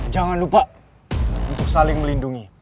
jangan lupa untuk saling melindungi